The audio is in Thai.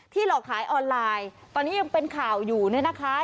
หลอกขายออนไลน์ตอนนี้ยังเป็นข่าวอยู่เนี่ยนะคะ